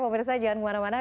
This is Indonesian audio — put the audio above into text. pemirsa jangan kemana mana